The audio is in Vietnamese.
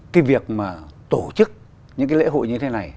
cái việc mà tổ chức những cái lễ hội như thế này